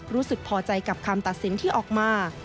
รู้สึกพอใจกับคำตัดสินที่ออกมา